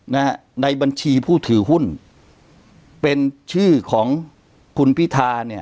นะฮะในบัญชีผู้ถือหุ้นเป็นชื่อของคุณพิธาเนี่ย